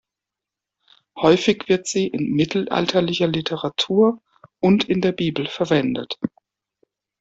Häufig wird sie in mittelalterlicher Literatur und in der Bibel verwendet.